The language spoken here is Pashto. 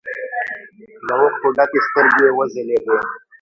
له اوښکو ډکې سترګې يې وځلېدې.